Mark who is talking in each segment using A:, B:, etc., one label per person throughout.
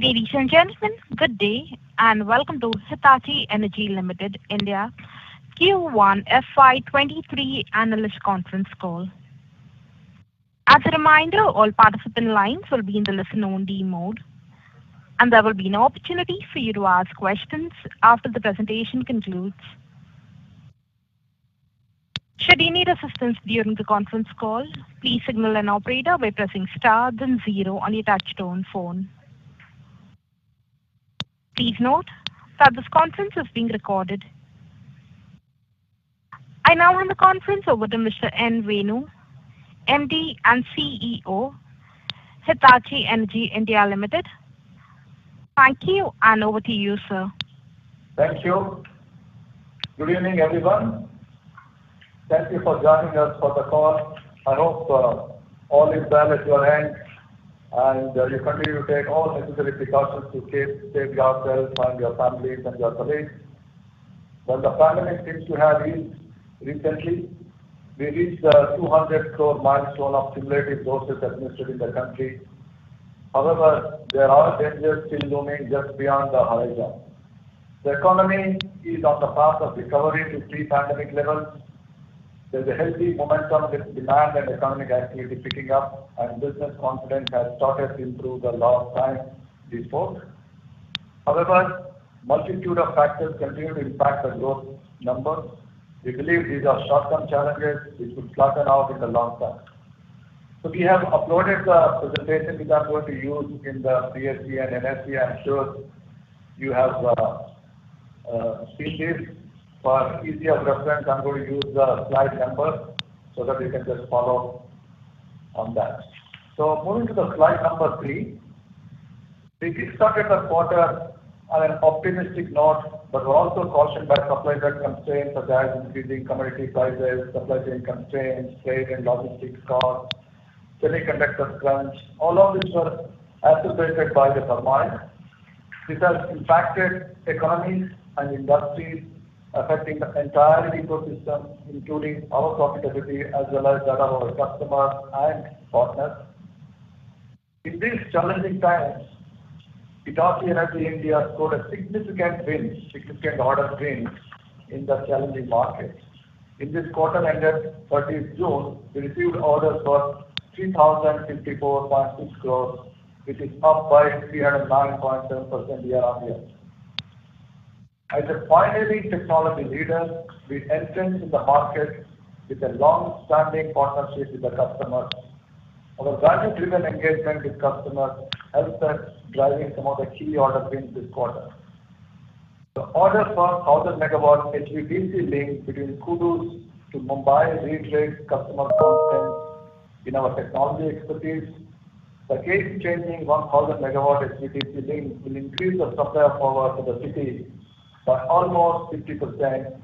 A: Ladies and gentlemen, good day, and welcome to Hitachi Energy India Limited Q1 FY 2023 Analyst Conference Call. As a reminder, all participant lines will be in the listen-only mode, and there will be an opportunity for you to ask questions after the presentation concludes. Should you need assistance during the conference call, please signal an operator by pressing star then zero on your touch-tone phone. Please note that this conference is being recorded. I now hand the conference over to Mr. Venu Nuguri, MD and CEO, Hitachi Energy India Limited. Thank you, and over to you, sir.
B: Thank you. Good evening, everyone. Thank you for joining us for the call. I hope all is well at your end, and you continue to take all necessary precautions to keep safe yourselves and your families and your colleagues. While the pandemic seems to have eased recently, we reached the 200 crore milestone of cumulative doses administered in the country. However, there are dangers still looming just beyond the horizon. The economy is on the path of recovery to pre-pandemic levels. There's a healthy momentum with demand and economic activity picking up and business confidence has started to improve the last time before. However, multitude of factors continue to impact the growth numbers. We believe these are short-term challenges which will flatten out in the long term. We have uploaded the presentation which I'm going to use in the BSE and NSE. I'm sure you have seen this. For ease of reference, I'm going to use the slide number so that you can just follow on that. Moving to the slide number three. We kick-started the quarter on an optimistic note, but we're also cautioned by supply side constraints such as increasing commodity prices, supply chain constraints, freight and logistics costs, semiconductor crunch. All of these are exacerbated by the turmoil. These have impacted economies and industries, affecting the entire ecosystem, including our profitability as well as that of our customers and partners. In these challenging times, Hitachi Energy India scored a significant win, significant order wins in the challenging markets. In this quarter ended 30 June, we received orders for 3,054.6 crore, which is up by 309.7% year-on-year. As a pioneering technology leader, we entered in the market with a long-standing partnership with the customers. Our value driven engagement with customers helped us drive some of the key order wins this quarter. The order for 1,000MW HVDC link between Kudus to Mumbai reiterates customer confidence in our technology expertise. The game-changing 1,000MW HVDC link will increase the supply of power to the city by almost 50%,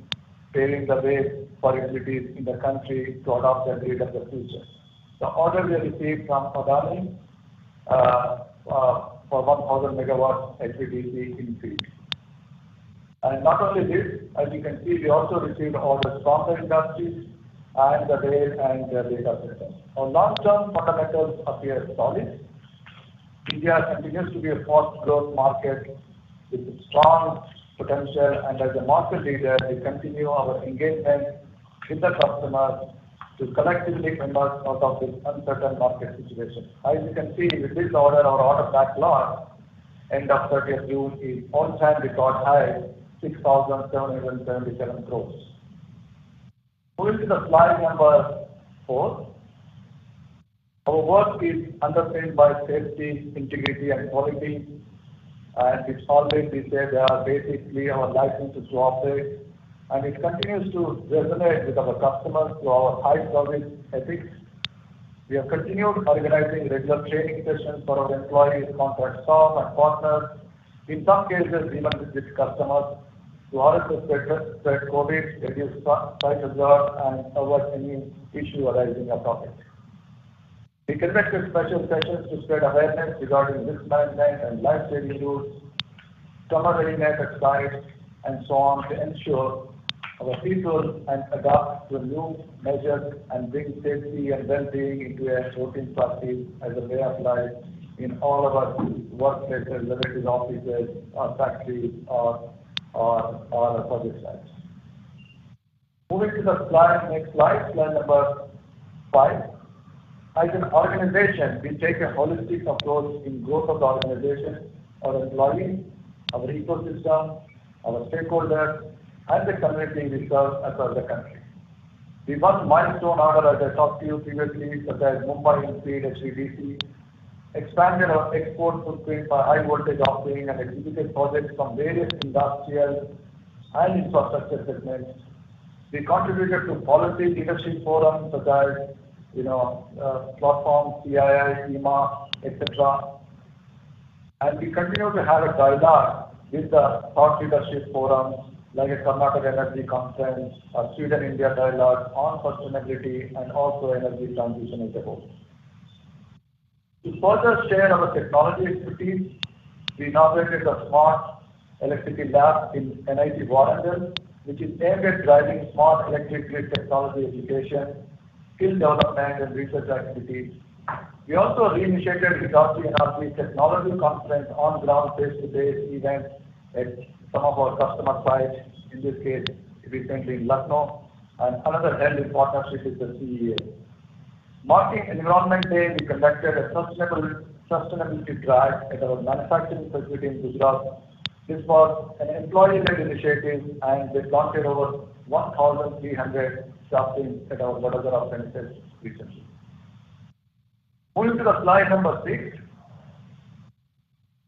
B: paving the way for utilities in the country to adopt the grid of the future. The order we received from Adani for 1,000MW HVDC infeed. Not only this, as you can see, we also received orders from the industries and the rail and the data centers. Our long-term fundamentals appear solid. India continues to be a fast-growth market with strong potential. As a market leader, we continue our engagement with the customers to collectively emerge out of this uncertain market situation. As you can see, with this order, our order backlog end of 30 June is all-time record high, 6,777 crores. Moving to slide number four. Our work is underpinned by safety, integrity and quality. It's always we say they are basically our license to operate, and it continues to resonate with our customers through our high service ethics. We have continued organizing regular training sessions for our employees, contract staff and partners. In some cases, even with customers to also spread COVID, reduce site hazard and avert any issue arising out of it. We conducted special sessions to spread awareness regarding risk management and life saving tools, safety net exercise, and so on to ensure our people can adapt to new measures and bring safety and well-being into a working practice as a way of life in all of our work centers, whether it is offices or factories or the project sites. Moving to the slide, next slide number five. As an organization, we take a holistic approach to the growth of the organization, our employees, our ecosystem, our stakeholders, and the communities we serve across the country. We marked milestone order, as I talked to you previously, such as Mumbai Infeed HVDC, expanded our export footprint for high voltage offering and executed projects from various industrial and infrastructure segments. We contributed to policy leadership forums such as platforms, CII, IEEMA, etc. We continue to have a dialogue with the thought leadership forums like Karnataka Energy Conclave or Sweden India Dialogue on sustainability and also energy transition as a whole. To further share our technology expertise, we inaugurated a smart electricity lab in NIT Warangal, which is aimed at driving smart electric grid technology education, skill development and research activities. We also reinitiated Wipro G&RP technology conference on-ground face-to-face events at some of our customer sites, in this case, recently in Lucknow, and another held in partnership with the CEA. Marking Environment Day, we conducted a sustainability drive at our manufacturing facility in Gujarat. This was an employee-led initiative, and they planted over 1,300 saplings at our Vadodara premises recently. Moving to slide number six.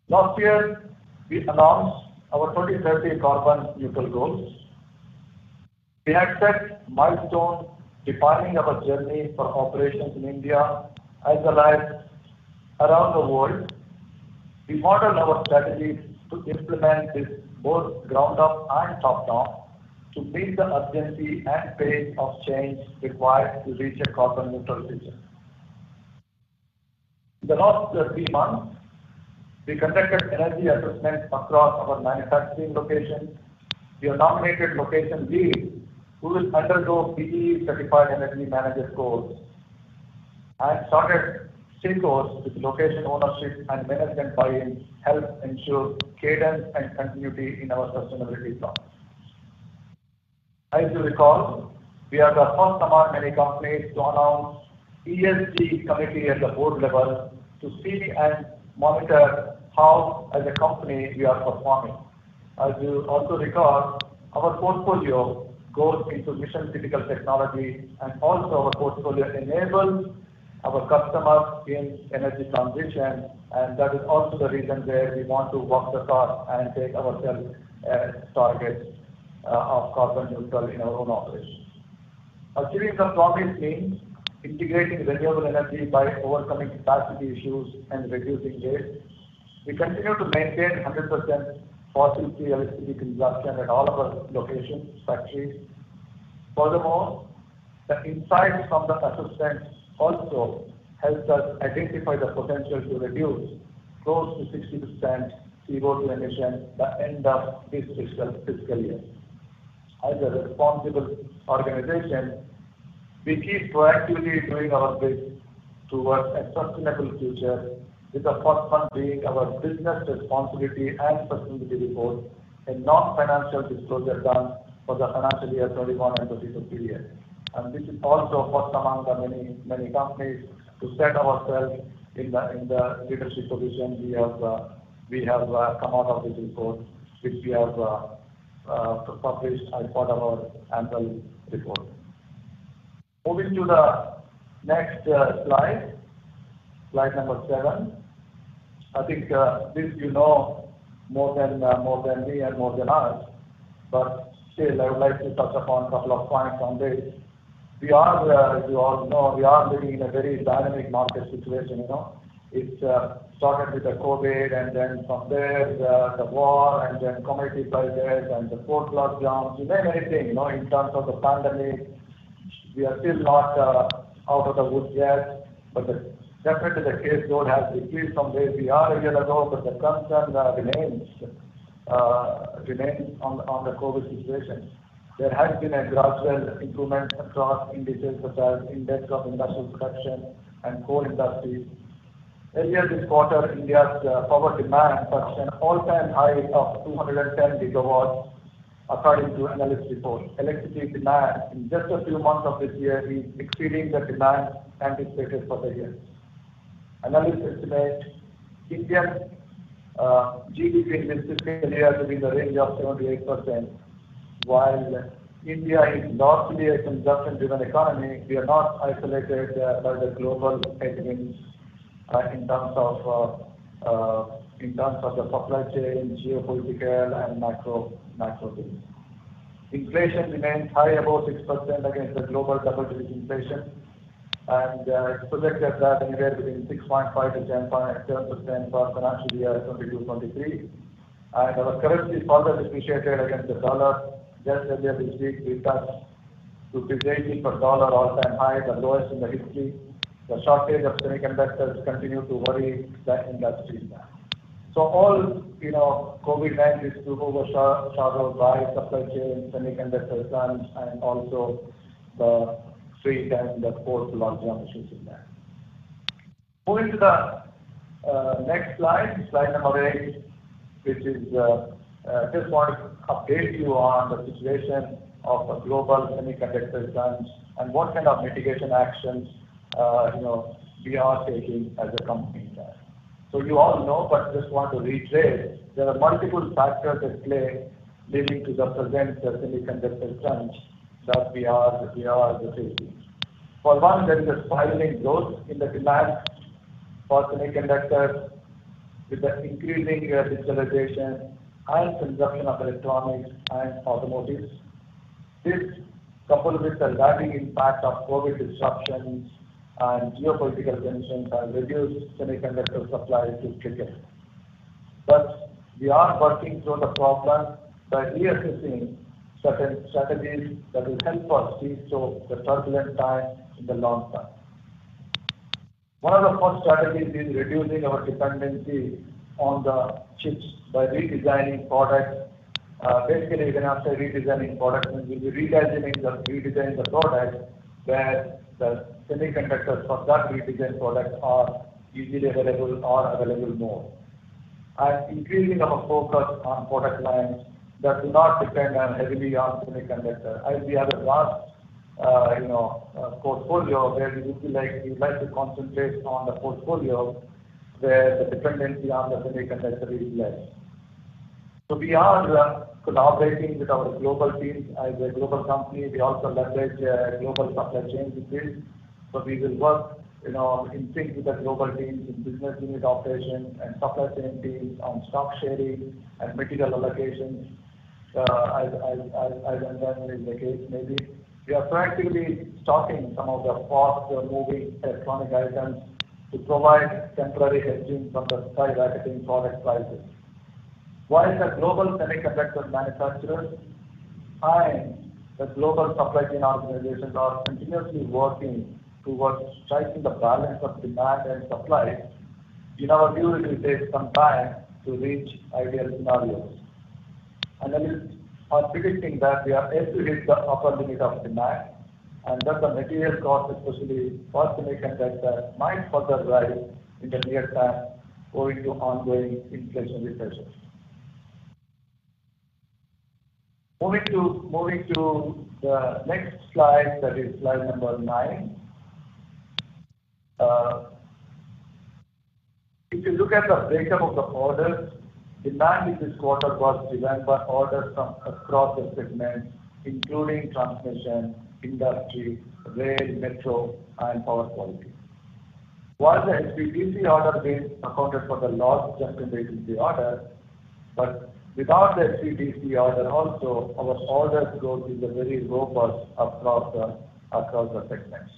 B: Last year, we announced our 2030 carbon neutral goals. We accept milestones defining our journey for operations in India as allies around the world. We modeled our strategies to implement this both ground-up and top-down to meet the urgency and pace of change required to reach a carbon neutral vision. In the last three months, we conducted energy assessments across our manufacturing locations. We have nominated location leads who will undergo BEE certified energy manager course and started a course with location ownership and management buy-in help ensure cadence and continuity in our sustainability plans. As you recall, we are the first among many companies to announce ESG committee at the board level to see and monitor how as a company we are performing. As you also recall, our portfolio goes into mission-critical technology and also our portfolio enables our customers in energy transition, and that is also the reason where we want to walk the talk and take ourselves as targets of carbon neutral in our own operations. Achieving the promised means integrating renewable energy by overcoming capacity issues and reducing waste. We continue to maintain 100% fossil free electricity consumption at all of our locations, factories. Furthermore, the insights from the assessments also helped us identify the potential to reduce close to 60% CO2 emissions by end of this fiscal year. As a responsible organization, we keep proactively doing our bit towards a sustainable future, with the first one being our business responsibility and sustainability report, a non-financial disclosure done for the financial year 2021 and 2022 period. This is also first among the many companies to set ourselves in the leadership position we have come up with this report, which we have published as part of our annual report. Moving to the next slide number seven. I think this you know more than me and more than us, but still I would like to touch upon couple of points on this. As you all know, we are living in a very dynamic market situation, you know. It started with the COVID and then from there the war and then commodity prices and the port blockades. You name anything, you know, in terms of the pandemic, we are still not out of the woods yet. Definitely the caseload has decreased from where we are a year ago, but the concern remains on the COVID situation. There has been a gradual improvement across indices such as Index of Industrial Production and core industries. Earlier this quarter, India's power demand touched an all-time high of 210GW, according to analyst report. Electricity demand in just a few months of this year is exceeding the demand anticipated for the year. Analysts estimate India's GDP in this fiscal year to be in the range of 7%-8%. While India is not really a consumption-driven economy, we are not isolated by the global headwinds in terms of the supply chain, geopolitical and macro themes. Inflation remains high above 6% against the global double-digit inflation, and it's projected that anywhere between 6.5%-10% for financial year 2022/2023. Our currency further depreciated against the dollar. Just earlier this week we touched 58 per dollar all-time high, the lowest in the history. The shortage of semiconductors continue to worry the industry there. All, you know, COVID-19 struggles by supply chain, semiconductor crunch, and also the three times the port launching opportunities there. Moving to the next slide number eight, which is just want to update you on the situation of the global semiconductor trends and what kind of mitigation actions, you know, we are taking as a company there. You all know, but just want to reiterate, there are multiple factors at play leading to the present semiconductor crunch that we are facing. For one, there is a spiraling growth in the demand for semiconductors with the increasing digitalization and consumption of electronics and automotives. This, coupled with the lagging impact of COVID disruptions and geopolitical tensions, have reduced semiconductor supply to critical. Thus, we are working through the problem by reassessing certain strategies that will help us see through the turbulent time in the long term. One of the core strategies is reducing our dependency on the chips by redesigning products. Basically when I say redesigning products, means we'll be redesigning the product where the semiconductors of that redesigned product are easily available or available more. Increasing our focus on product lines that do not depend heavily on semiconductor. As we have a vast, you know, portfolio where we would be like, we'd like to concentrate on the portfolio where the dependency on the semiconductor is less. We are collaborating with our global teams. As a global company, we also leverage global supply chain capabilities. We will work, you know, in sync with the global teams in business unit operations and supply chain teams on stock sharing and material allocations as and when is the case maybe. We are proactively stocking some of the fast-moving electronic items to provide temporary hedging from the skyrocketing product prices. While the global semiconductor manufacturers and the global supply chain organizations are continuously working towards striking the balance of demand and supply, in our view it will take some time to reach ideal scenarios. Analysts are predicting that we are yet to hit the upper limit of demand, and thus the material cost, especially for semiconductor, might further rise in the near term owing to ongoing inflationary pressures. Moving to the next slide, that is slide number nine. If you look at the breakup of the orders, demand in this quarter was driven by orders from across the segments, including transmission, industry, rail, metro, and power quality. While the HVDC order being accounted for the large transmission DC order, but without the HVDC order also our orders growth is very robust across the segments.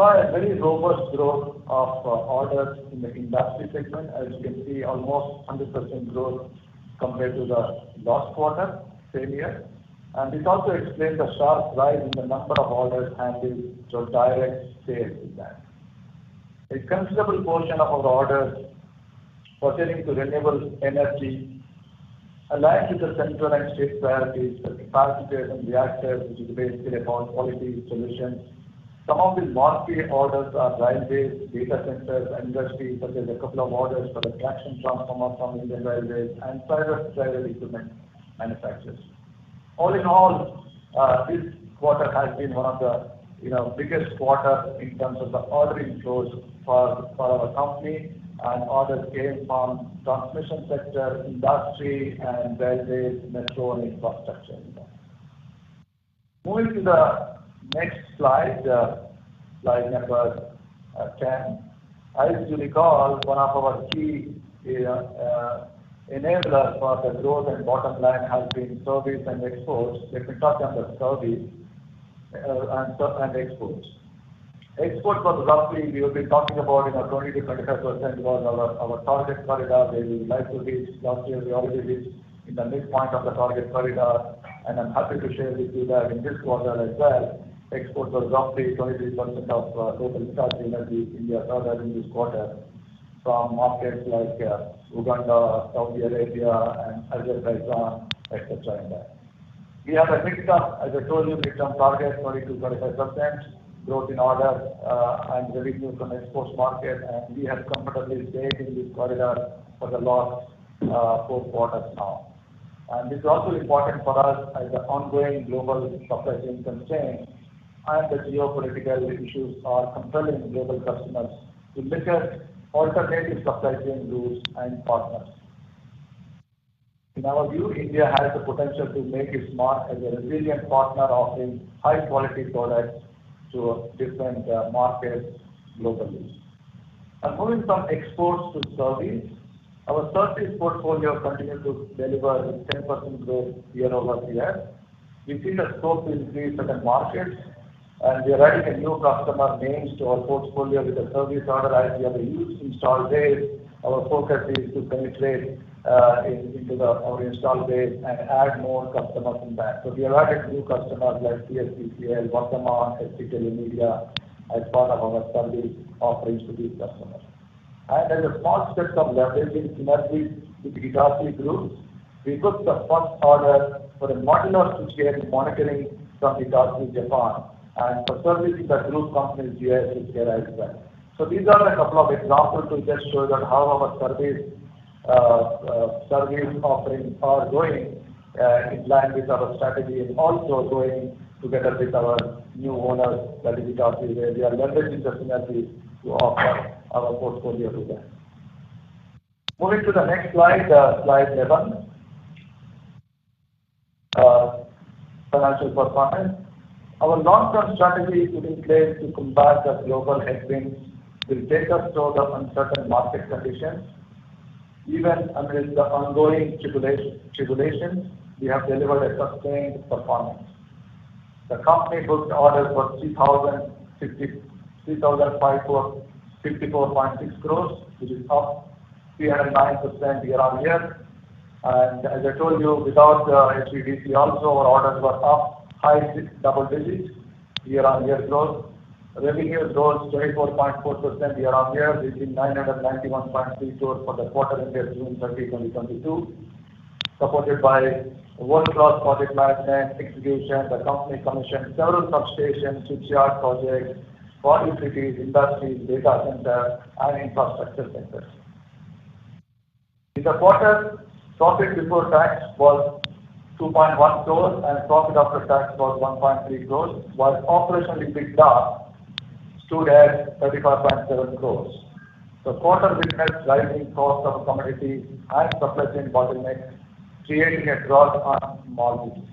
B: We saw a very robust growth of orders in the industry segment. As you can see almost 100% growth compared to the last quarter same year. This also explains the sharp rise in the number of orders handled through direct sales desk. A considerable portion of our orders pertaining to renewable energy aligns with the central and state priorities for capacity addition reactors, which is basically about quality solutions. Some of the marquee orders are railways, data centers, industries, such as a couple of orders for the traction transformer from Indian Railways and private railway equipment manufacturers. All in all, this quarter has been one of the, you know, biggest quarter in terms of the ordering flows for our company and orders came from transmission sector, industry and railways, metro and infrastructure. Moving to the next slide number 10. As you recall, one of our key enablers for the growth and bottom line has been service and exports. Let me touch on the service and exports. Exports was roughly.....we have been talking about in a 20%-25% was our target corridor that we would like to reach. Last year we already reached in the midpoint of the target corridor, and I'm happy to share with you that in this quarter as well, exports was roughly 23% of total installed capacity India served in this quarter from markets like Uganda, Saudi Arabia and Azerbaijan, et cetera, and that. We have a mid term, as I told you, mid term target 20%-25% growth in orders and revenues from exports market, and we have comfortably stayed in this corridor for the last four quarters now. This is also important for us as the ongoing global supply chain constraints and the geopolitical issues are compelling global customers to look at alternative supply chain routes and partners. In our view, India has the potential to make its mark as a resilient partner offering high quality products to different markets globally. Moving from exports to service. Our service portfolio continued to deliver with 10% growth year-over-year. We see the scope increase in the markets, and we are adding new customer names to our portfolio with the service order as we have a huge installed base. Our focus is to penetrate our installed base and add more customers in that. We have added new customers like CSPDCL, Vattenfall, ST Telemedia as part of our service offerings to these customers. As a small step of leveraging synergies with Hitachi Group, we booked the first order for a Modular Switchgear Monitoring from Hitachi, Japan, and for servicing the group company's GIS is there as well. These are a couple of examples to just show that how our service offerings are going in line with our strategy and also going together with our new owners that is Hitachi, where we are leveraging the synergies to offer our portfolio to them. Moving to the next slide 11. Financial performance. Our long-term strategy is put in place to combat the global headwinds with the storm of uncertain market conditions. Even amidst the ongoing tribulations, we have delivered a sustained performance. The company booked orders for 3,054.6 crores, which is up 309% year-over-year. As I told you, without HVDC also our orders were up double digits year-over-year growth. Revenue grows 24.4% year-on-year reaching INR 991.3 crores for the quarter ended June 30, 2022, supported by world-class project management execution. The company commissioned several substations, shipyard projects for utilities, industries, data center, and infrastructure centers. In the quarter, profit before tax was 2.1 crores and profit after tax was 1.3 crores, while operational EBITDA stood at 35.7 crores. The quarter witnessed rising costs of commodities and supply chain bottlenecks, creating a drag on margins.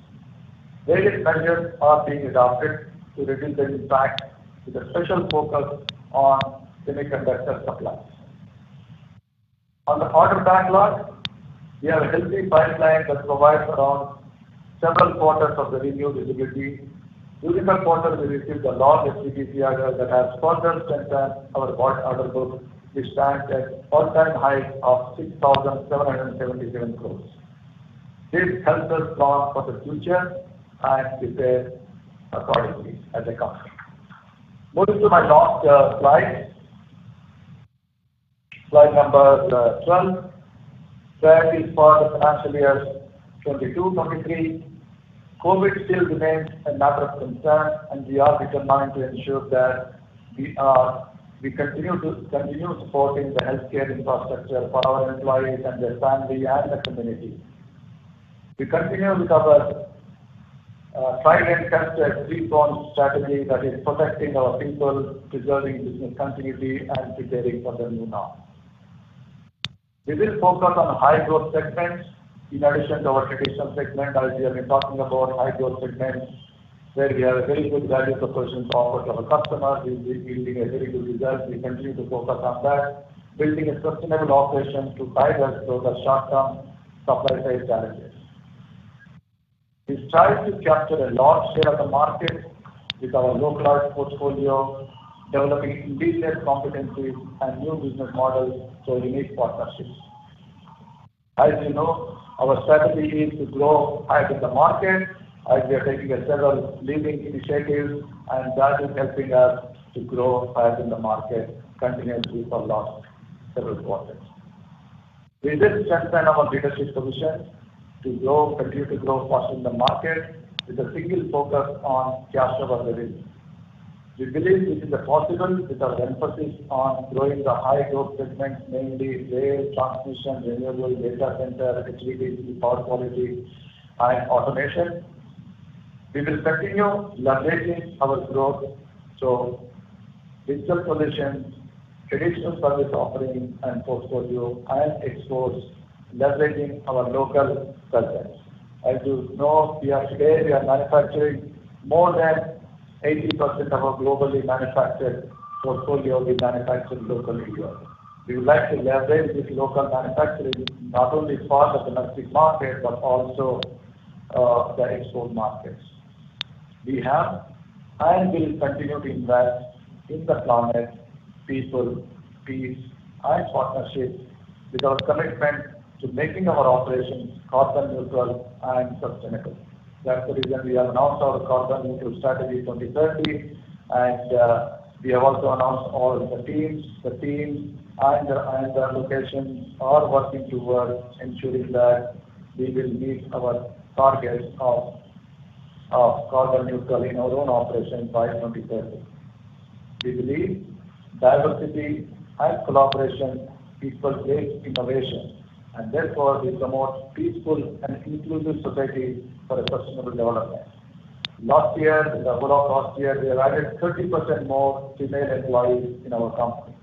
B: Various measures are being adopted to reduce the impact, with a special focus on semiconductor supplies. On the order backlog, we have a healthy pipeline that provides around several quarters of the revenue visibility. Recent quarter, we received a large HVDC order that has further strengthened our order book, which stands at all-time high of 6,777 crore. This helps us plan for the future and prepare accordingly as a company. Moving to my last slide. Slide number 12. That is for the financial year 2022/2023. COVID still remains a matter of concern, and we are determined to ensure that we continue supporting the healthcare infrastructure for our employees and their family and the community. We continue with our tried and tested three-pronged strategy that is protecting our people, preserving business continuity, and preparing for the new norm. We will focus on high growth segments in addition to our traditional segment. As we have been talking about high growth segments, where we have a very good value proposition offered to our customers, we're yielding a very good result. We continue to focus on that, building a sustainable operation to guide us through the short-term supply side challenges. We strive to capture a large share of the market with our localized portfolio, developing leading-edge competencies and new business models through unique partnerships. As you know, our strategy is to grow higher than the market as we are taking several leading initiatives, and that is helping us to grow higher than the market continuously for last several quarters. We will strengthen our leadership position to grow, continue to grow faster than the market with a single focus on cash flow generation. We believe this is possible with our emphasis on growing the high growth segments, namely rail, transmission, renewable, data center, HVDC, power quality and automation. We will continue leveraging our growth through digital solutions, traditional service offerings and portfolio, and exports, leveraging our local presence. As you know, today we are manufacturing more than 80% of our globally manufactured portfolio, we manufacture locally here. We would like to leverage this local manufacturing not only for the domestic market, but also the export markets. We have and will continue to invest in the planet, people, peace and partnerships with our commitment to making our operations carbon neutral and sustainable. That's the reason we have announced our carbon neutral strategy 2030. We have also announced all the themes. The teams and the locations are working towards ensuring that we will meet our target of carbon neutral in our own operation by 2030. We believe diversity and collaboration equals great innovation, and therefore we promote peaceful and inclusive society for a sustainable development. Last year, we added 30% more female employees in our company.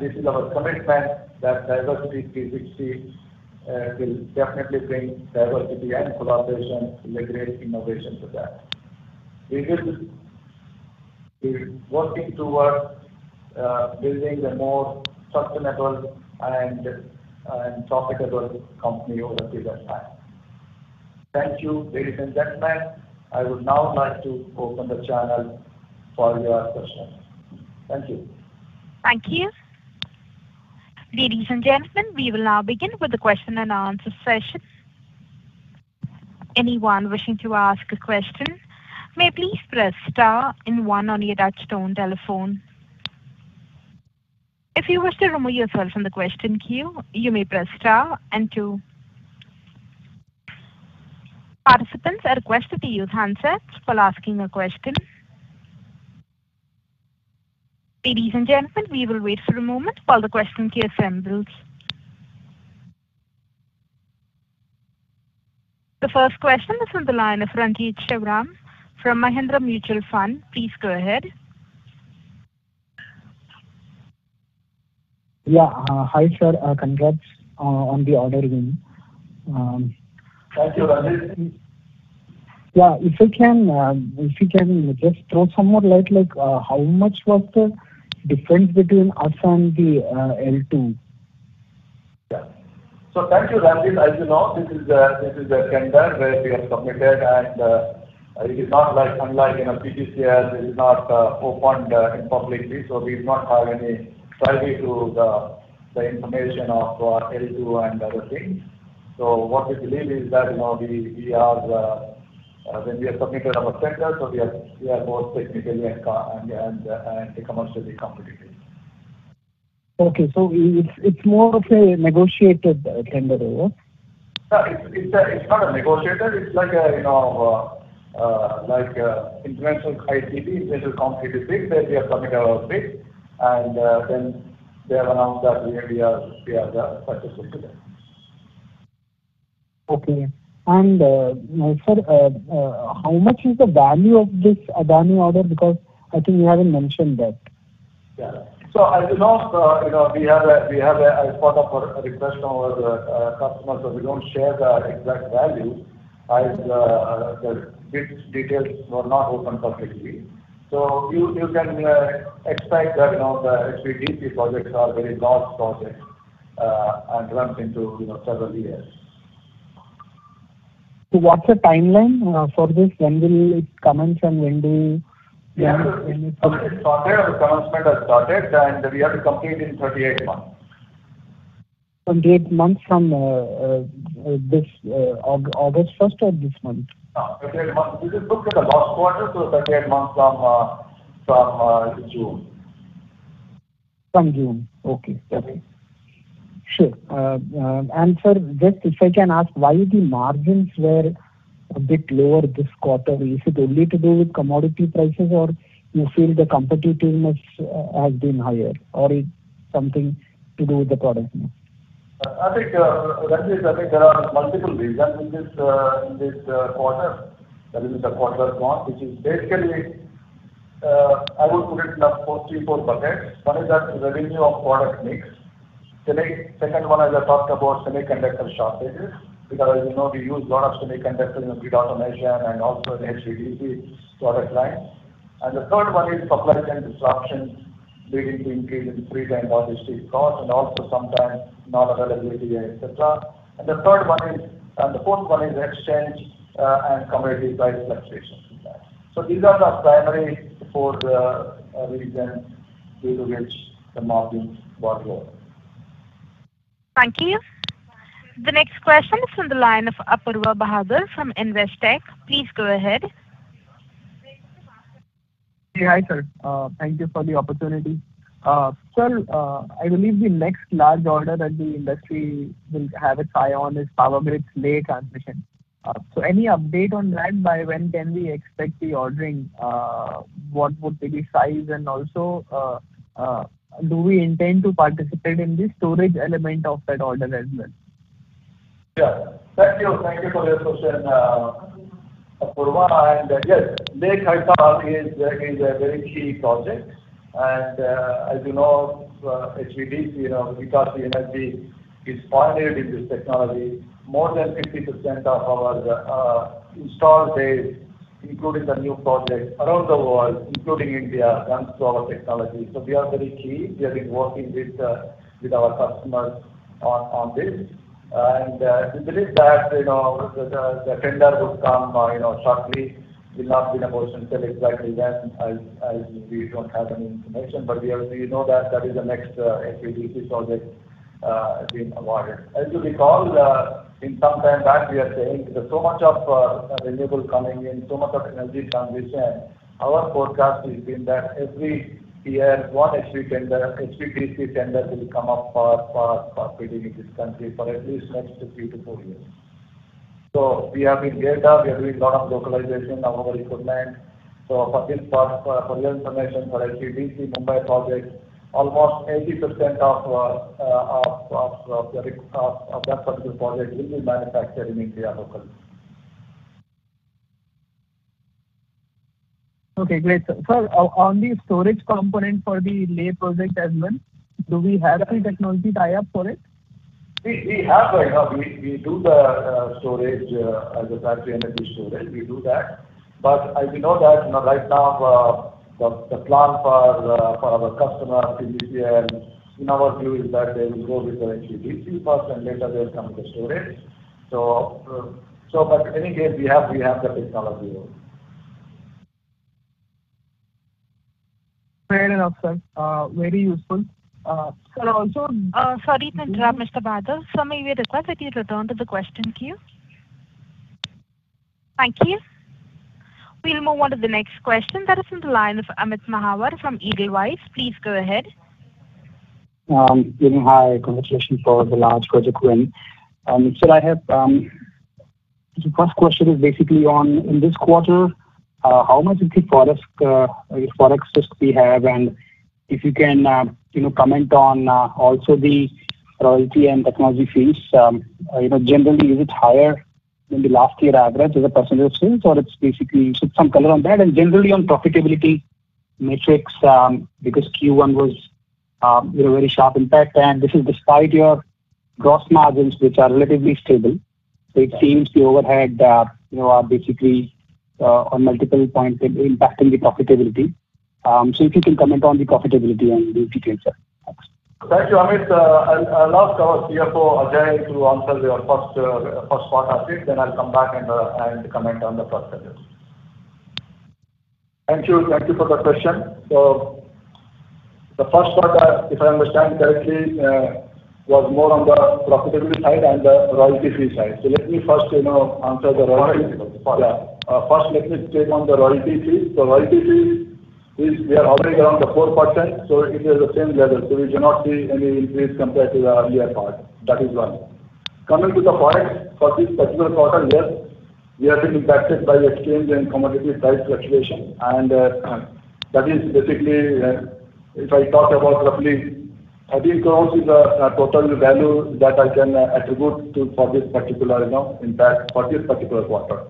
B: This is our commitment that Diversity 360 will definitely bring diversity and collaboration will lead great innovation to that. We will be working towards building a more sustainable and profitable company over a period of time. Thank you, ladies and gentlemen. I would now like to open the channel for your questions. Thank you.
A: Thank you. Ladies and gentlemen, we will now begin with the question and answer session. Anyone wishing to ask a question may please press star and one on your touchtone telephone. If you wish to remove yourself from the question queue, you may press star and two. Participants are requested to use handsets while asking a question. Ladies and gentlemen, we will wait for a moment while the question queue assembles. The first question is on the line of Renjith Sivaram Radhakrishnan from Mahindra Manulife Mutual Fund. Please go ahead.
C: Yeah. Hi, sir. Congrats on the order win.
B: Thank you, Renjith.
C: Yeah. If you can just throw some more light like, how much was the difference between us and the L2?
B: Yeah. Thank you, Renjith. As you know, this is a tender where we are committed. It is not like unlike, you know, CPSE. It is not opened publicly. We do not have any privy to the information of L2 and other things. What we believe is that, you know, we are when we have submitted our tender, we are more technically and commercially competitive.
C: Okay. It's more of a negotiated tender, yeah?
B: No, it's not a negotiated. It's like an international ICB that we have submitted our bid and then they have announced that we are the successful bidder.
C: Okay. Sir, how much is the value of this Adani order? Because I think you haven't mentioned that.
B: Yeah. As you know, you know, we have as part of our request from our customers that we don't share the exact value as the bid details were not open publicly. You can expect that, you know, the HVDC projects are very large projects, and runs into, you know, several years.
C: What's the timeline for this? When will it commence and when do.....
B: Yeah.
C: When will-
B: The project started, the commencement has started, and we have to complete in 38 months.
C: 38 months from this August 1 or this month?
B: No, 38 months. This is booked in the last quarter, so 38 months from June.
C: From June. Okay. Got it. Sure. Sir, just if I can ask, why the margins were a bit lower this quarter? Is it only to do with commodity prices, or you feel the competitiveness has been higher, or it's something to do with the product mix?
B: I think, Renjith, I think there are multiple reasons in this quarter. That means the quarter gone, which is basically, I would put it in four buckets. One is that the revenue of product mix. The next, second one, as I talked about, semiconductor shortages. Because as you know, we use a lot of semiconductors in the grid automation and also in HVDC product lines. The third one is supply chain disruptions leading to increase in freight and logistic costs, and also sometimes non-availability, et cetera. The fourth one is exchange and commodity price fluctuations in that. These are the primary four reasons due to which the margins were lower.
A: Thank you. The next question is from the line of Apoorva Bahadur from Investec. Please go ahead.
D: Hi, sir. Thank you for the opportunity. Sir, I believe the next large order that the industry will have its eye on is Power Grid's Leh-Kargil transmission. Any update on that? By when can we expect the ordering? What would be the size? And also, do we intend to participate in the storage element of that order as well?
B: Yeah. Thank you. Thank you for your question, Apoorva. Yes, Leh-Kargil is a very key project. As you know, HVDC, you know, Hitachi Energy is pioneer in this technology. More than 50% of our installed base, including the new projects around the world, including India, runs through our technology. We are very keen. We have been working with our customers on this. We believe that, you know, the tender would come, you know, shortly. Will not be in a position to tell exactly when as we don't have any information. We know that that is the next HVDC project being awarded. As you recall, in some time back, we are saying there's so much of renewable coming in, so much of energy transition. Our forecast has been that every year one HVDC tender will come up for bidding in this country for at least the next three to four years. We have been geared up. We have a lot of localization of our equipment. For this part, for your information, for the HVDC Mumbai project, almost 80% of that particular project will be manufactured in India locally.
D: Okay, great sir. Sir, on the storage component for the Leh project as well, do we have any technology tie-up for it?
B: We have right now. We do the storage as a battery energy storage, we do that. As you know that, you know, right now, the plan for our customer, PGCIL, in our view is that they will go with the HVDC first and later they'll come with the storage. In any case, we have the technology.
D: Fair enough, sir. Very useful. Sir, also
A: Sorry to interrupt, Mr. Bahadur. Sir, may we request that you return to the question queue? Thank you. We'll move on to the next question. That is on the line of Amit Mahawar from Edelweiss. Please go ahead.
E: Good morning. Congratulations for the large project win. Sir, I have the first question is basically on in this quarter, how much of the product risk we have? And if you can, you know, comment on also the royalty and technology fees. You know, generally is it higher than the last year average as a percentage of sales or it's basically. Shed some color on that. And generally on profitability metrics, because Q1 was, you know, very sharp impact, and this is despite your gross margins which are relatively stable. So it seems the overhead, you know, are basically on multiple points impacting the profitability. So if you can comment on the profitability and the future.
B: Thank you, Amit. I'll ask our CFO, Ajay, to answer your first part of it, then I'll come back and comment on the first part, yes.
F: Thank you. Thank you for the question. The first part, if I understand correctly, was more on the profitability side and the royalty fee side. Let me first, you know, take on the royalty fees. The royalty fees is we are hovering around the 4%, so it is the same level. We do not see any increase compared to the earlier part. That is one. Coming to the point for this particular quarter, yes, we have been impacted by exchange and commodity price fluctuations. That is basically if I talk about roughly INR 30 crore is the total value that I can attribute to for this particular you know impact for this particular quarter.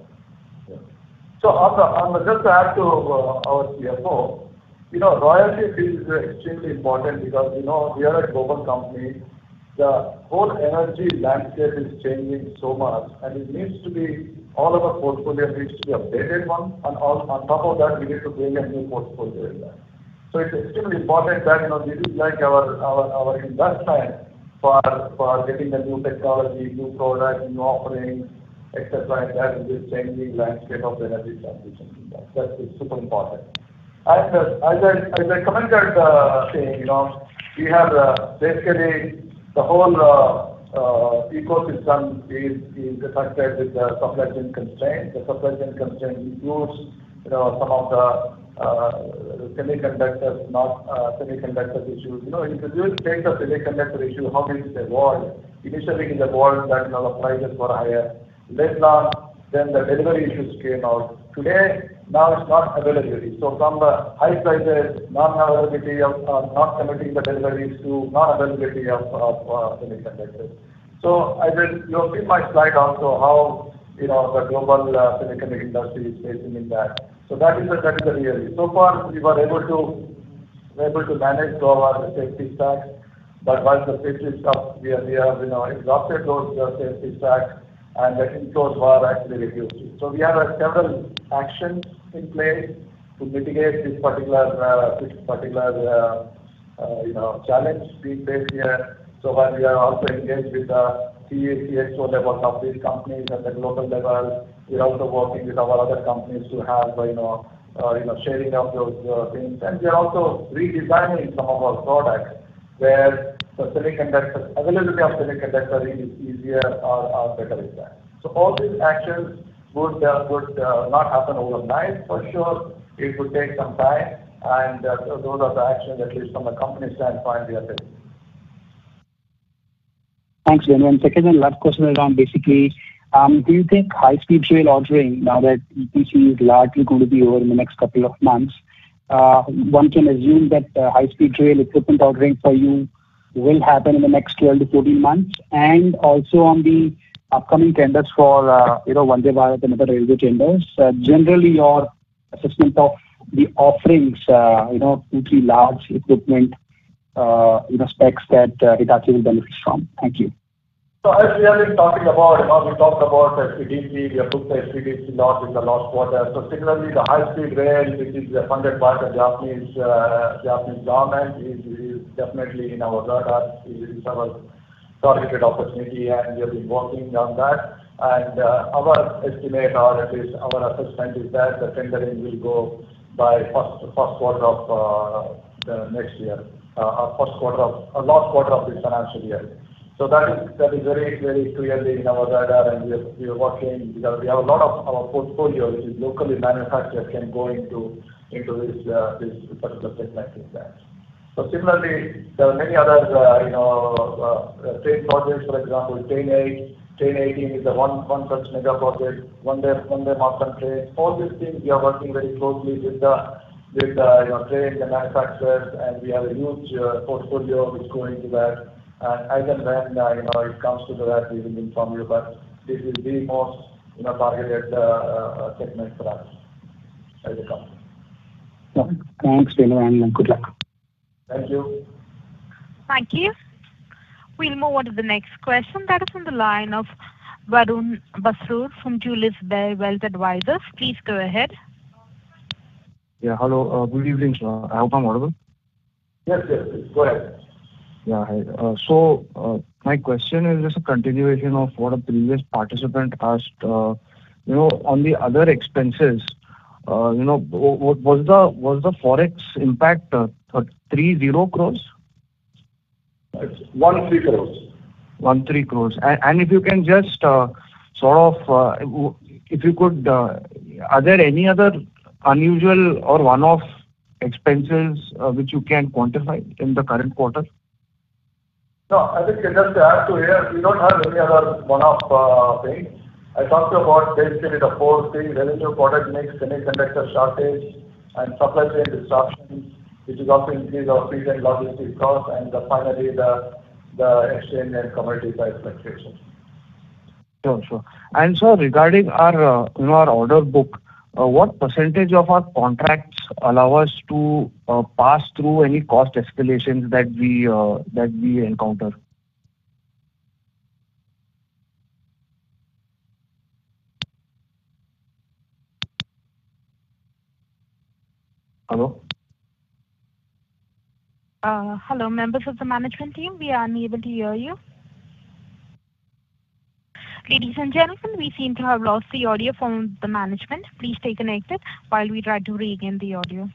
B: Yeah. I'll just add to our CFO. You know, royalty fee is extremely important because you know we are a global company. The whole energy landscape is changing so much, and it needs to be all of our portfolio needs to be updated one. And on top of that, we need to build a new portfolio as well. It's extremely important that you know this is like our investment for getting the new technology, new products, new offerings, et cetera, like that, with this changing landscape of the energy transition. It's super important. As I commented, you know, we have basically the whole ecosystem is affected with the supply chain constraints. The supply chain constraints includes, you know, some of the semiconductors, not semiconductors issues. You know, if you take the semiconductor issue, how it hits the world. Initially in the world, you know, the prices were higher. Later on, the delivery issues came out. Today, now it's not availability. From the high prices, non-availability of not committing the deliveries to non-availability of semiconductors. You'll see my slide also, how, you know, the global semiconductor industry is facing impact. That is the area. So far we were able to manage through our safety stock. Once the chip is up, we are, you know, exhausted those safety stock and the inflows were actually reduced. We have several actions in place to mitigate this particular, you know, challenge we face here. While we are also engaged with the CEO, CSO levels of these companies at the global level, we're also working with our other companies to have, you know, sharing of those things. We are also redesigning some of our products where the availability of semiconductors is easier or better with that. All these actions would not happen overnight for sure. It will take some time, and those are the actions at least from a company standpoint we are taking.
E: Thanks, gentlemen. Second and last question is on basically, do you think high-speed rail ordering now that EPC is largely going to be over in the next couple of months, one can assume that high-speed rail equipment ordering for you will happen in the next 12-14 months? And also on the upcoming tenders for, you know, Vande Bharat and other railway tenders, generally your assessment of the offerings, you know, into large equipment, you know, specs that Hitachi will benefit from. Thank you.
B: As we have been talking about, you know, we talked about FCDP, we have booked a FCDP lot in the last quarter. Similarly, the high-speed rail, which is funded by the Japanese government is definitely in our radar. It is our targeted opportunity, and we have been working on that. Our estimate or at least our assessment is that the tendering will go by first quarter of the next year. First quarter of last quarter of this financial year. That is very clearly in our radar and we are working. We have a lot of our portfolio which is locally manufactured can go into this particular segment with that. Similarly, there are many other, you know, train projects, for example, Train 18 is one such mega project. Vande Bharat train. All these things we are working very closely with the train manufacturers, and we have a huge portfolio which go into that. As and when, you know, it comes to that, we will inform you. But this will be more, you know, targeted segment for us as a company.
E: Okay. Thanks, Venu, and good luck.
B: Thank you.
A: Thank you. We'll move on to the next question. That is on the line of Varun Basu from Julius Baer Wealth Advisors. Please go ahead.
G: Yeah. Hello. Good evening, sir. I hope I'm audible.
B: Yes, yes. Go ahead.
G: My question is just a continuation of what a previous participant asked. You know, on the other expenses, you know, was the forex impact 30 crores?
B: It's 13 crores.
G: 13 crores. Are there any other unusual or one-off expenses, which you can quantify in the current quarter?
B: No, I think just to add to here, we don't have any other one-off things. I talked about basically the four things, revenue product mix, semiconductor shortage, and supply chain disruptions, which has also increased our freight and logistics costs, and finally the exchange and commodity price fluctuations.
G: Sure, sure. Sir, regarding our, you know, our order book, what percentage of our contracts allow us to pass through any cost escalations that we encounter? Hello?
A: Hello, members of the management team. We are unable to hear you. Ladies and gentlemen, we seem to have lost the audio from the management. Please stay connected while we try to regain the audio.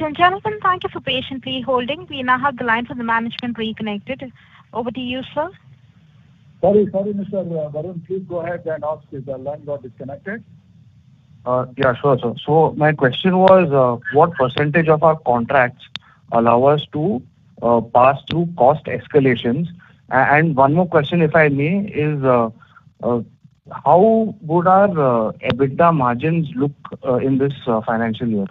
A: Ladies and gentlemen, thank you for patiently holding. We now have the line from the management reconnected. Over to you, sir.
B: Sorry, Mr. Varun. Please go ahead and ask if the line got disconnected.
G: Yeah, sure, sir. My question was, what percentage of our contracts allow us to pass through cost escalations? And one more question, if I may, is how would our EBITDA margins look in this financial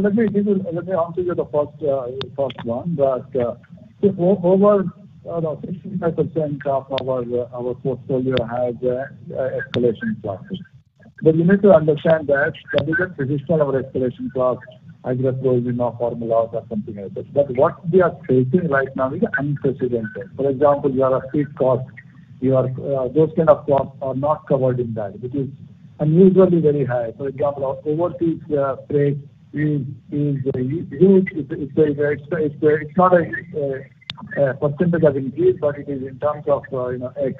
G: year?
B: Let me answer you the first one. That over 65% of our portfolio has escalation clauses. You need to understand that the provision of our escalation clause has a provision of formulas or something like this. What we are facing right now is unprecedented. For example, you have a steel cost. Those kind of costs are not covered in that, which is unusually very high. For example, overall steel grade is huge. It's not a percentage that increased, but it is in terms of, you know, X.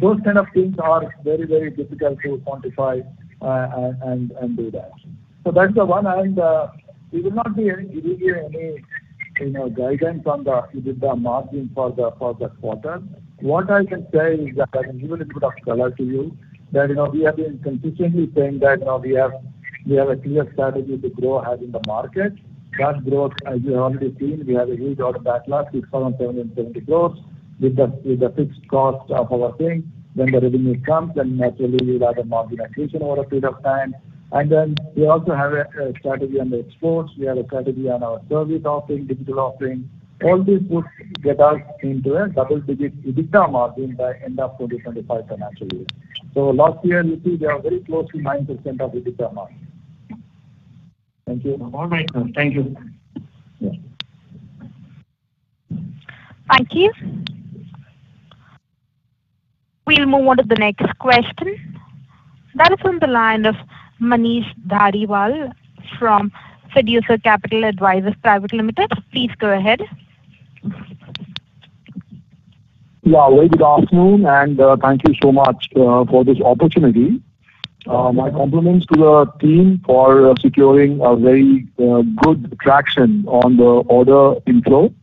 B: Those kind of things are very difficult to quantify and do that. That's the one. We will not be giving you any, you know, guidance on the EBITDA margin for the quarter. What I can say is that I can give a little bit of color to you that, you know, we have been consistently saying that, you know, we have a clear strategy to grow ahead in the market. That growth, as you have already seen, we have a huge order backlog, 6,770 crore. With the fixed cost of our thing. When the revenue comes, then naturally we'll have a margin accretion over a period of time. We also have a strategy on the exports. We have a strategy on our service offering, digital offering. All this would get us into a double-digit EBITDA margin by end of 2025 financial year. Last year, you see we are very close to 9% of EBITDA margin. Thank you.
G: All right. Thank you.
B: Yeah.
A: Thank you. We'll move on to the next question. That is on the line of Manish Dhariwal from Fiducia Capital Advisors Private Limited. Please go ahead.
H: Yeah. Very good afternoon, and, thank you so much, for this opportunity. My compliments to the team for securing a very, good traction on the order inflow.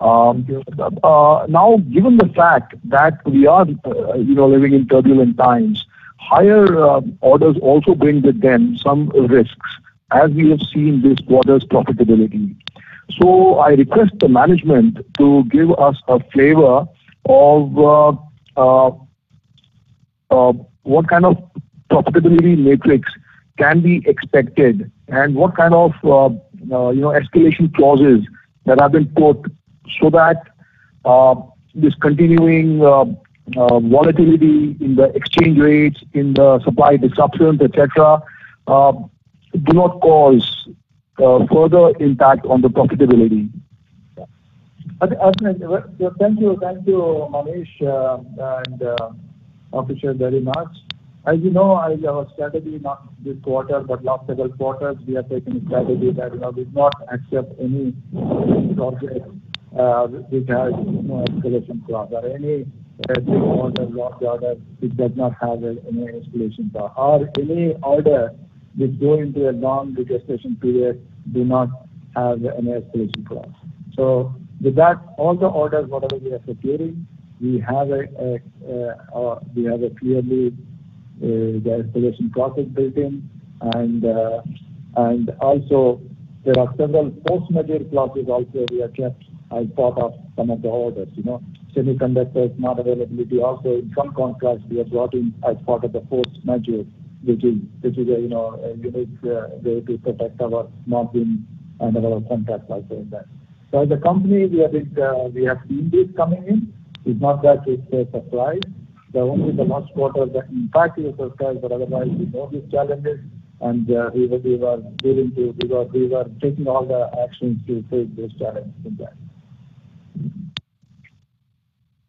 H: Now, given the fact that we are, you know, living in turbulent times, higher, orders also bring with them some risks, as we have seen this quarter's profitability. I request the management to give us a flavor of, what kind of profitability matrix can be expected and what kind of, you know, escalation clauses that have been put so that, this continuing, volatility in the exchange rates, in the supply disruptions, et cetera, do not cause, further impact on the profitability?
B: I think, thank you Manish and everyone very much. As you know, our strategy not this quarter but last several quarters, we have taken a strategy that, you know, we've not accept any project which has no escalation clause. Or any big order, large order which does not have any escalation clause. Or any order which go into a long execution period do not have any escalation clause. So with that, all the orders whatever we are securing, we have clearly the escalation clause is built in. Also there are several force majeure clauses also we have kept as part of some of the orders. You know, semiconductors non-availability. In some contracts we have brought in as part of the force majeure regime, which is a, you know, a unique way to protect our margin under our contracts like that. As a company, we have seen this coming in. It's not that it's a surprise. The only last quarter that impacted us, but otherwise we know these challenges and we are taking all the actions to face these challenges.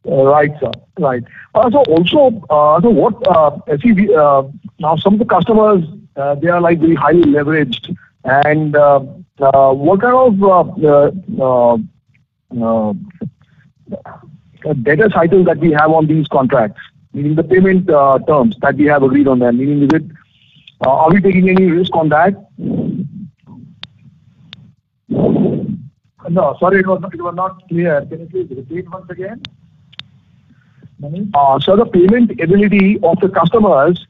H: Right, sir. Right. Also, so what debt now? Some of the customers, they are like very highly leveraged and what kind of debt cycles that we have on these contracts, meaning the payment terms that we have agreed on them, meaning are we taking any risk on that?
B: No. Sorry, it was not clear. Can you please repeat once again?
H: The payment ability of the customers.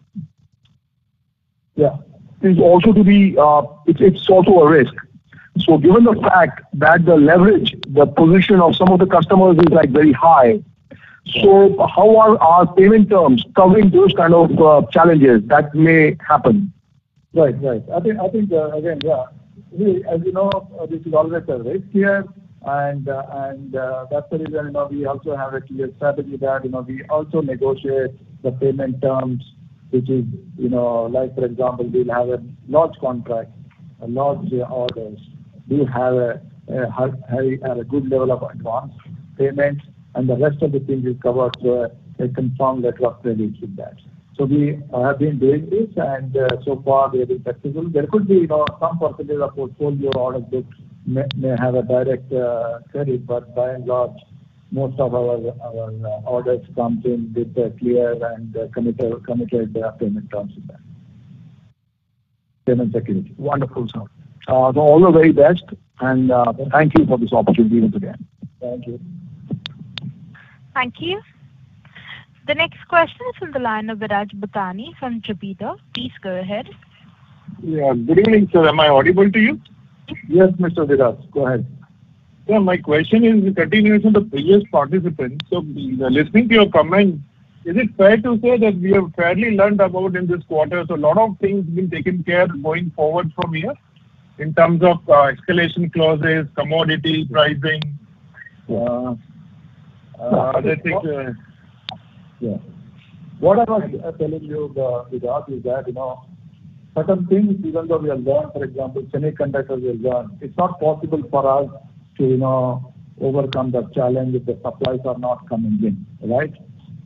B: Yeah.
H: It's also a risk. Given the fact that the leverage, the position of some of the customers is like very high, so how are our payment terms covering those kind of challenges that may happen?
B: Right. I think again, yeah. We, as you know, this is always a risk here and that's the reason, you know, we also have a clear strategy that, you know, we also negotiate the payment terms, which is, you know, like for example, we'll have a large contract, large orders. We have a good level of advance payments, and the rest of the things is covered through a confirmed letter of credit with that. We have been doing this, and so far they've been successful. There could be, you know, some particular portfolio orders which may have a direct credit but by and large, most of our orders comes in with a clear and committed payment terms with that. Payment security.
H: Wonderful, sir. All the very best and, thank you for this opportunity today.
B: Thank you.
A: Thank you. The next question is from the line of Viraj Butani from Koffeekodes. Please go ahead.
I: Yeah. Good evening, sir. Am I audible to you?
B: Yes, Mr. Viraj, go ahead.
I: Yeah, my question is a continuation of the previous participant. Listening to your comments, is it fair to say that we have fairly learned about in this quarter, so a lot of things been taken care going forward from here in terms of, escalation clauses, commodity pricing? I think,
B: Yeah. What I was telling you, Viraj, is that, you know, certain things even though we have learned, for example, semiconductors, it's not possible for us to, you know, overcome the challenge if the supplies are not coming in, right?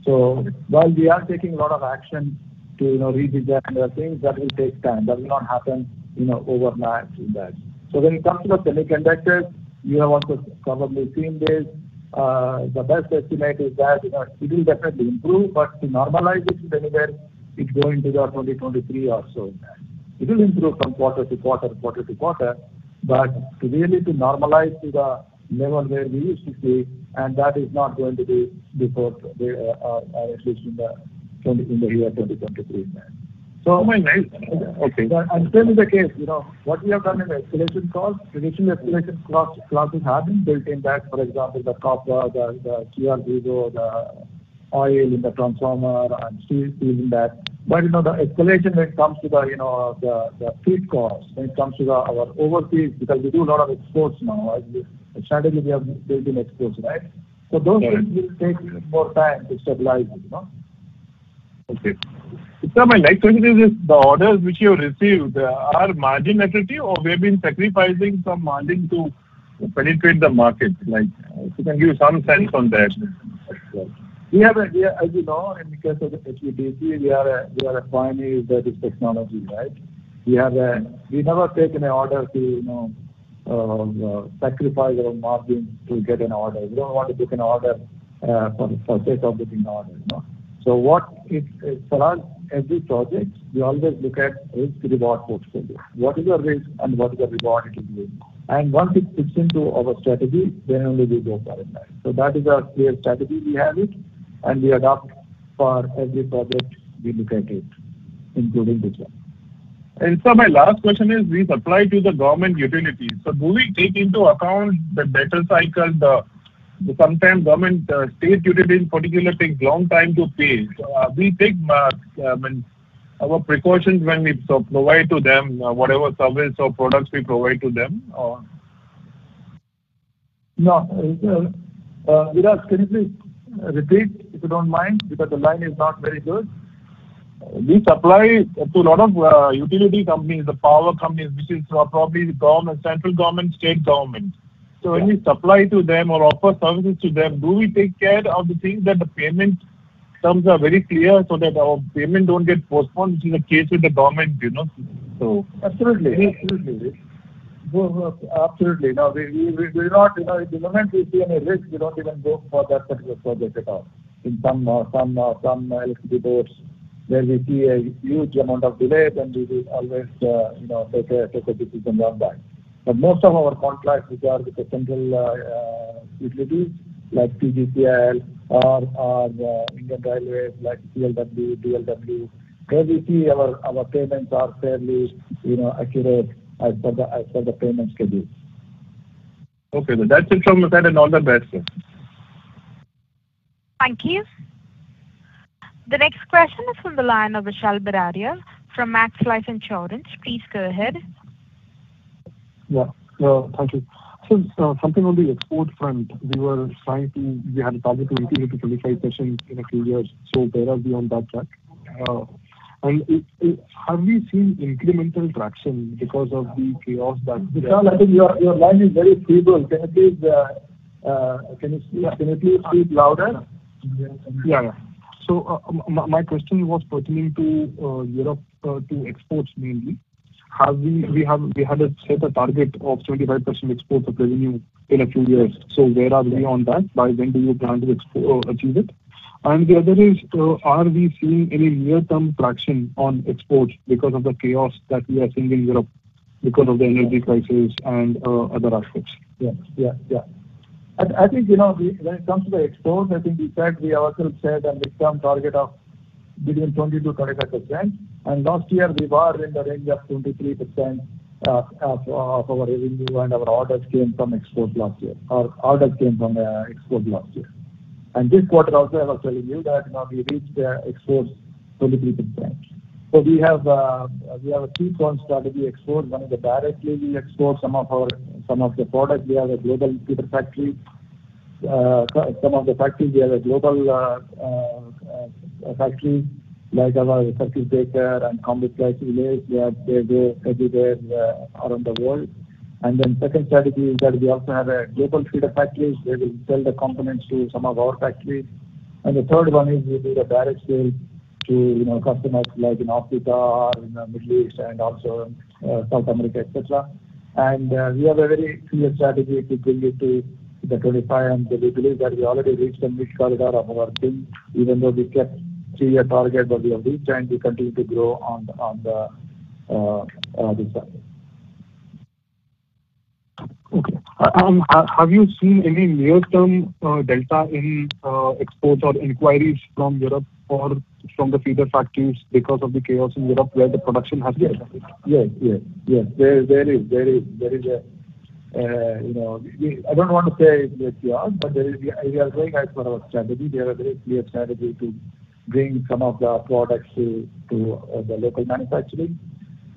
B: While we are taking a lot of action to, you know, redesign the things that will take time, that will not happen, you know, overnight with that. When it comes to the semiconductors, you have also probably seen this. The best estimate is that, you know, it will definitely improve, but to normalize it to anywhere, it go into the 2023 or so. It will improve from quarter to quarter, but really to normalize to the level where we used to see, and that is not going to be before, at least in the year 2023.
I: Oh my, nice. Okay.
B: Still is the case, you know. What we have done in the escalation clause, traditionally escalation clauses have been built in that, for example, the copper, the CRGO, the oil in the transformer and steel in that. But, you know, the escalation when it comes to the, you know, the freight costs, when it comes to the, our overseas, because we do a lot of exports now. The strategy we have built in exports, right? Those things will take little more time to stabilize, you know.
I: Okay. My next question is, the orders which you received, are margin negative or we've been sacrificing some margin to penetrate the market? Like, if you can give some sense on that.
B: As you know, in case of HPTP, we are a pioneer with this technology, right? We never taken an order to, you know, sacrifice our margins to get an order. We don't want to take an order for the sake of taking an order, you know. For us, every project, we always look at risk to reward portfolio. What is your risk and what is your reward it is giving? Once it fits into our strategy, then only we go for it. That is our clear strategy. We have it, and we adopt for every project we look at it, including this one.
I: My last question is we supply to the government utilities. Do we take into account the debtor cycle? The sometimes government state utility in particular takes long time to pay. We take our precautions when we provide to them whatever service or products we provide to them?
B: No. Can you please repeat if you don't mind because the line is not very good.
I: We supply to a lot of utility companies, the power companies, which is probably the government, central government, state government.
B: Yeah.
I: When we supply to them or offer services to them, do we take care of the things that the payment terms are very clear so that our payment don't get postponed, which is the case with the government, you know?
B: Absolutely. No, we're not, you know, at the moment we see any risk, we don't even go for that particular project at all. In some electricity boards where we see a huge amount of delays and we will always, you know, take a decision on that. Most of our contracts which are with the central utilities like PGCIL or Indian Railways like CLW, DLW, where we see our payments are fairly, you know, accurate as per the payment schedule.
I: Okay. That's it from my side and all the best, sir.
A: Thank you. The next question is from the line of Vishal Bararia from Max Life Insurance. Please go ahead.
J: Yeah. Thank you. Something on the export front, we had a target of increasing it to 25% in a few years. Where are we on that track? Have we seen incremental traction because of the chaos that-
B: Vishal, I think your line is very feeble. Can you please speak louder?
J: Yeah. My question was pertaining to Europe, to exports mainly. We had set a target of 25% exports of revenue in a few years. Where are we on that? By when do you plan to achieve it? The other is, are we seeing any near-term traction on exports because of the chaos that we are seeing in Europe because of the energy crisis and other aspects?
B: Yeah. I think, you know, when it comes to the exports, I think we said we ourselves said a midterm target of between 20%-25%. Last year we were in the range of 23% of our revenue and our orders came from exports. This quarter also I was telling you that, you know, we reached exports 23%. We have a two-pronged strategy export. One is directly we export some of the products. We have a global feeder factory. So some of the factories, we have a global factory like our circuit breaker and compact switchgear everywhere around the world. Second strategy is that we also have a global feeder factories where we sell the components to some of our factories. The third one is we do the direct sale to, you know, customers like in Africa or in the Middle East and also in South America, et cetera. We have a very clear strategy to bring it to the 25%. We believe that we already reached the mid corridor of our TAM, even though we kept three-year target, but we have reached and we continue to grow on this side.
J: Okay. Have you seen any near-term delta in exports or inquiries from Europe or from the feeder factories because of the chaos in Europe where the production has been affected?
B: Yes. There is a, you know, I don't want to say it's chaos, but there is. We are going as per our strategy. We have a very clear strategy to bring some of the products to the local manufacturing.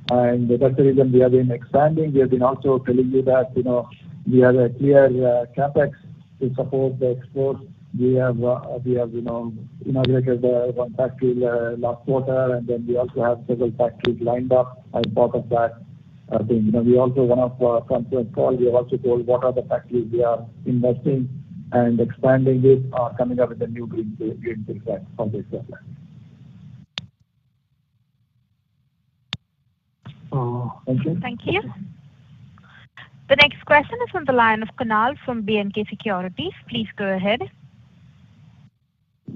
B: That's the reason we have been expanding. We have been also telling you that, you know, we have a clear CapEx to support the exports. We have inaugurated one factory last quarter, and then we also have several factories lined up as part of that thing. You know, we also, in one of our conference call, we have also told what are the factories we are investing and expanding it, coming up with a new greenfield factory as well.
H: Thank you.
A: Thank you. The next question is on the line of Kunal from B&K Securities. Please go ahead.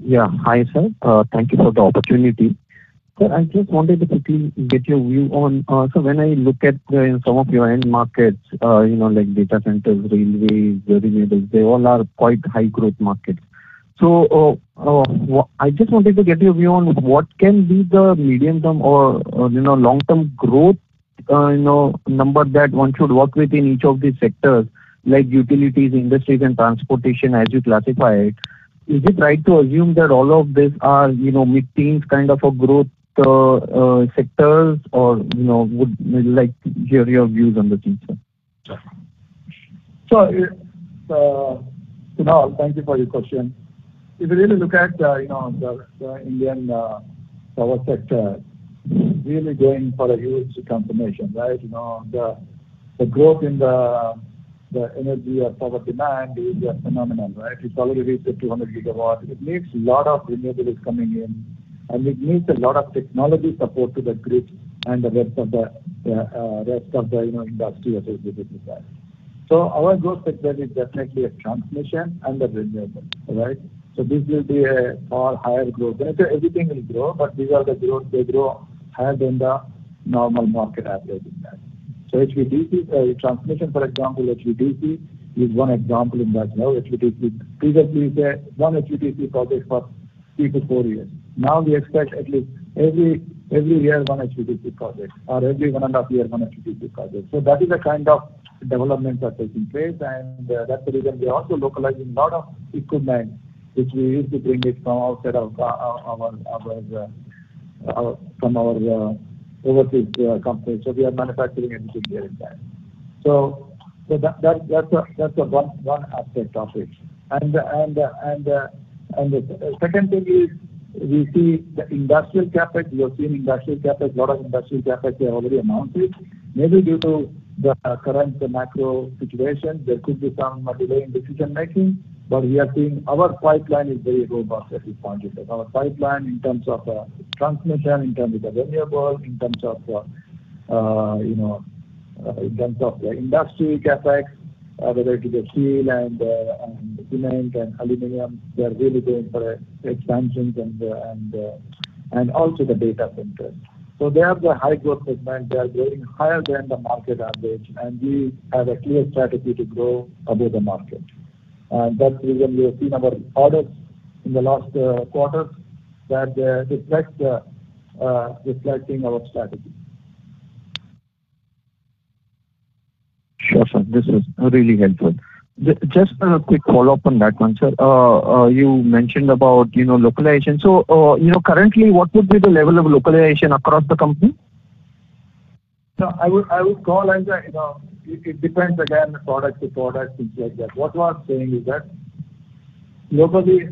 K: Yeah. Hi, sir. Thank you for the opportunity. Sir, when I look at some of your end markets, you know, like data centers, railways, renewables, they all are quite high growth markets. I just wanted to get your view on what can be the medium-term or long-term growth, you know, number that one should work with in each of these sectors like utilities, industries and transportation as you classify it. Is it right to assume that all of these are, you know, mid-teens kind of a growth sectors or, you know, would like to hear your views on that, sir?
B: Sure. Kunal, thank you for your question. If you really look at, you know, the Indian power sector really going for a huge transformation, right? You know, the growth in the energy or power demand is just phenomenal, right? It's already reached 200GW. It needs lot of renewables coming in, and it needs a lot of technology support to the grid and the rest of the industry associated with that. Our growth sector is definitely a transmission and the renewables, right? This will be a far higher growth. When I say everything will grow, but these are the growth, they grow higher than the normal market average in that. HVDC transmission, for example, HVDC is one example in that. You know, HVDC previously say one HVDC project was three to four years. Now we expect at least every year one HVDC project or every 1.5 year, one HVDC project. That is a kind of developments are taking place, and that's the reason we are also localizing a lot of equipment which we used to bring it from outside of our overseas countries. We are manufacturing everything here in India. That's one aspect of it. The second thing is we see the industrial CapEx. We have seen industrial CapEx. A lot of industrial CapEx we have already announced it. Maybe due to the current macro situation, there could be some delay in decision-making, but we are seeing our pipeline is very robust at this point in time. Our pipeline in terms of transmission, in terms of renewable, in terms of you know, in terms of the industry CapEx, whether it is a steel and cement and aluminum, we are really going for expansions and also the data centers. So they are the high-growth segment. They are growing higher than the market average, and we have a clear strategy to grow above the market. That's the reason we have seen our orders in the last quarter, reflecting our strategy.
K: Sure, sir. This is really helpful. Just a quick follow-up on that one, sir. You mentioned about, you know, localization. You know, currently, what would be the level of localization across the company?
B: No, I would call as a, you know. It depends again on the product to product, things like that. What we are saying is that locally,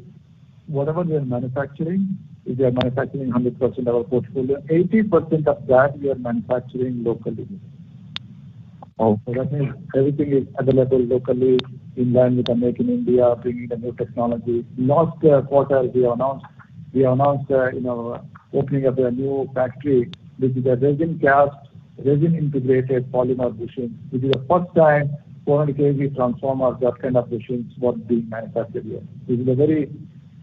B: whatever we are manufacturing, if we are manufacturing 100% of our portfolio, 80% of that we are manufacturing locally.
K: Okay.
B: That means everything is available locally in line with Make in India, bringing the new technology. Last quarter we announced opening up a new factory. This is a resin-cast, resin-integrated polymer machine. This is the first time 400kV transformers, that kind of machines, were being manufactured here. This is a very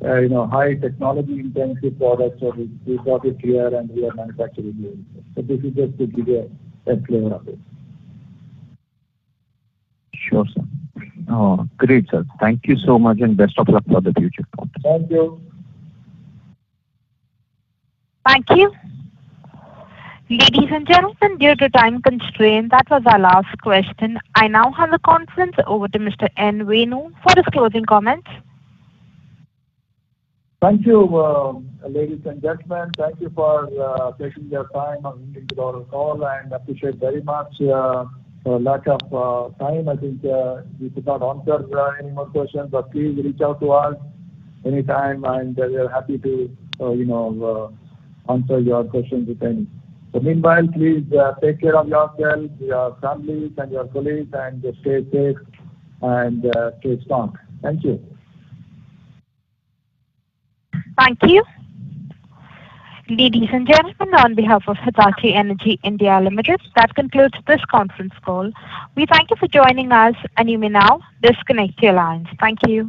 B: high technology-intensive product, and we brought it here and we are manufacturing here in India. This is just to give a fair flavor of it.
K: Sure, sir. Oh, great, sir. Thank you so much and best of luck for the future.
B: Thank you.
A: Thank you. Ladies and gentlemen, due to time constraint, that was our last question. I now hand the conference over to Mr. N. Venu for his closing comments.
B: Thank you, ladies and gentlemen. Thank you for taking your time on listening to our call and appreciate very much lack of time. I think we could not answer any more questions, but please reach out to us anytime, and we are happy to you know answer your questions if any. Meanwhile, please take care of yourself, your families and your colleagues, and just stay safe and stay strong. Thank you.
A: Thank you. Ladies and gentlemen, on behalf of Hitachi Energy India Limited, that concludes this conference call. We thank you for joining us and you may now disconnect your lines. Thank you.